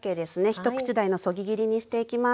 一口大のそぎ切りにしていきます。